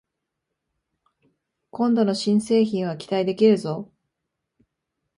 今度の新製品は期待できるぞ